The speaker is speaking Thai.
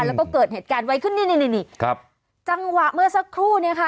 แล้วก็เกิดเหตุการณ์ไว้ขึ้นนี่นี่นี่นี่ครับจังหวะเมื่อสักครู่เนี้ยค่ะ